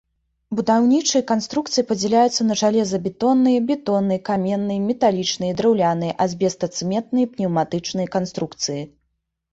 Будаўнічыя канструкцыі падзяляюцца на жалезабетонныя, бетонныя, каменныя, металічныя, драўляныя, азбестацэментныя, пнеўматычныя канструкцыі.